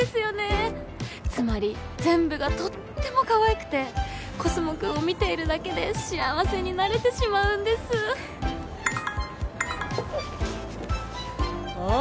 つまり全部がとってもかわいくてコスモくんを見ているだけで幸せになれてしまうんですおっ